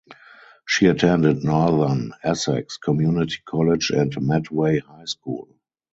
She attended Northern Essex Community College and Medway High School.